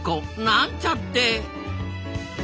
なんちゃって。